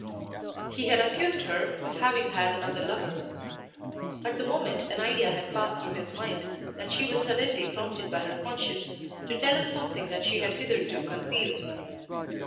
He had accused her of having had another lover. At the moment an idea had passed through his mind that she was suddenly prompted by her conscience to tell him something that she had hitherto concealed.